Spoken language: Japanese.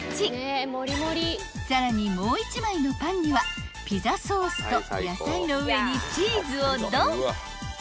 ［さらにもう一枚のパンにはピザソースと野菜の上にチーズをどん］